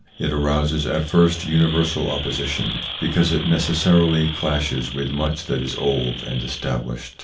It arouses at first universal opposition, because it necessarily clashes with much that is old and established.